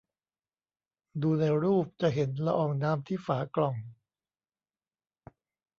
ดูในรูปจะเห็นละอองน้ำที่ฝากล่อง